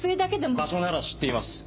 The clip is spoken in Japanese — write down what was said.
場所なら知っています。